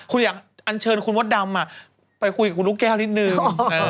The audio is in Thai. คุณอยากอันเชิญคุณมดดำไปคุยกับลูกแก้วนิดนึง